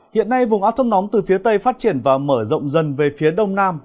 hiện nay vùng áo thông nóng từ phía tây phát triển và mở rộng dần về phía đông nam